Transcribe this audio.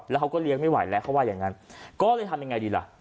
แล้วเขาก็เลี้ยงไม่ไหวแล้วเขาว่าอย่างนั้นก็เลยทำยังไงดีล่ะ